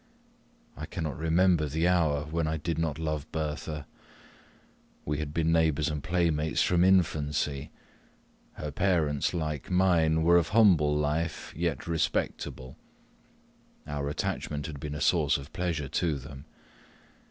I cannot remember the hour when I did not love Bertha; we had been neighbours and playmates from infancy her parents, like mine, were of humble life, yet respectable our attachment had been a source of pleasure to them.